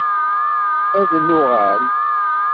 Ad nuɣal!